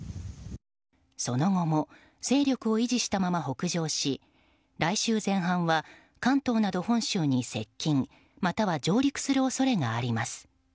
その後も勢力を維持したまま北上し来週前半は関東など本州に接近または上陸する恐れがあります。